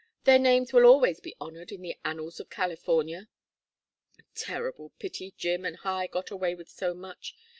Their names will always be honored in the annals of California. Terrible pity Jim and Hi got away with so much.